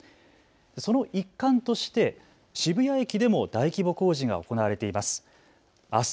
その一環として渋谷駅でも大規模工事が行われています。